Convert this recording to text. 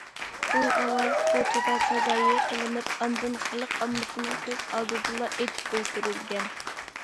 ئۇ ئاۋۋال كوچىدا سازايى قىلىنىپ ئاندىن خەلق ئاممىسىنىڭ كۆز ئالدىدىلا ئېتىپ ئۆلتۈرۈلگەن.